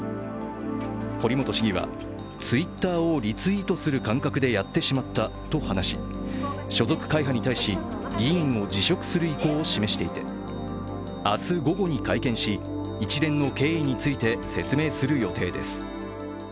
堀本市議はＴｗｉｔｔｅｒをリツイートする感覚でやってしまったと話し所属会派に対し、議員を辞職する意向を示していて明日午後に会見し一連の経緯について説明する予定です。